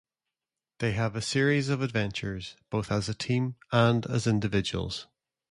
They have a series of adventures, both as a team and as individuals.